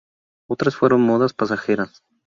Otras fueron modas pasajeras.